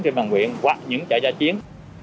trên bàn quyện hoặc những chợ giả chiến